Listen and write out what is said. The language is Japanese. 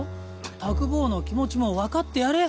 卓坊の気持ちも分かってやれ。